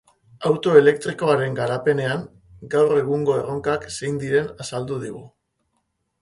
Auto elektrikoaren garapenean, gaur egungo erronkak zein diren azaldu digu.